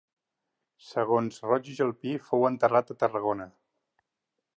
Segons Roig i Jalpí fou enterrat a Tarragona.